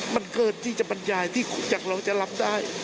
มันเกินที่จำนายที่ดังเราจะรับได้